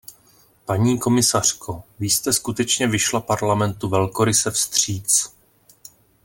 Paní komisařko, vy jste skutečně vyšla Parlamentu velkoryse vstříc.